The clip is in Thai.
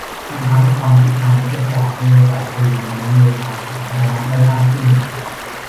มันทำให้ความคิดทางวิทยาศาสตร์มีโอกาสไปอยู่ในนโยบายสาธารณะได้มากขึ้น